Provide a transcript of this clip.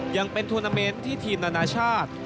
ยังเป็นธุรกิจที่ทีมนานาชาติ